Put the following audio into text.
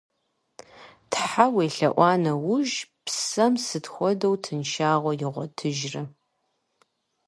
Тхьэ уелъэӀуа нэужь, псэм сыт хуэдэу тыншыгъуэ игъуэтыжрэ!